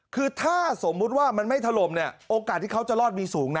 คือถ้าสมมุติว่ามันไม่ถล่มเนี่ยโอกาสที่เขาจะรอดมีสูงนะ